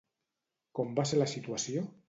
Com va ser la situació?